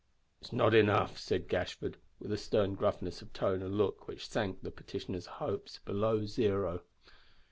"It's not enough," said Gashford, with a stern gruffness of tone and look which sank the petitioner's hopes below zero.